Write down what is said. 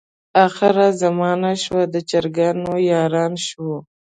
اخره زمانه شوه د چرګانو یارانه شوه.